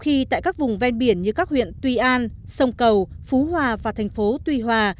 khi tại các vùng ven biển như các huyện tuy an sông cầu phú hòa và thành phố tuy hòa